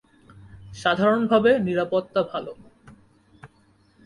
সাধারণভাবে নিরাপত্তা ভাল।